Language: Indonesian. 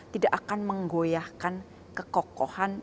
tidak akan menggoyahkan kekokohan